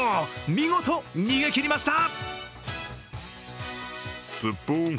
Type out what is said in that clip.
見事逃げ切りました。